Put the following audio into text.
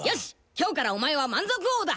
今日からお前は満足王だ！